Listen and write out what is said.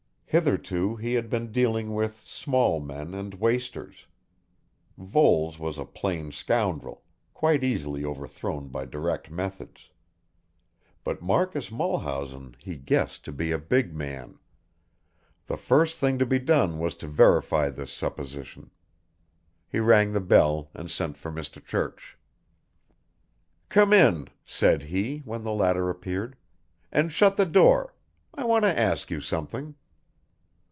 Hitherto he had been dealing with small men and wasters. Voles was a plain scoundrel, quite easily overthrown by direct methods. But Marcus Mulhausen he guessed to be a big man. The first thing to be done was to verify this supposition. He rang the bell and sent for Mr. Church. "Come in," said he, when the latter appeared, "and shut the door. I want to ask you something."